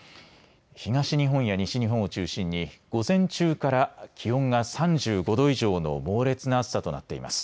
東日本や西日本を中心に午前中から気温が３５度以上の猛烈な暑さとなっています。